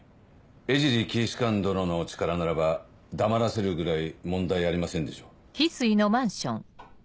江尻警視監殿のお力ならば黙らせるぐらい問題ありませんでしょう？